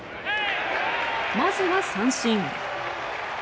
まずは三振。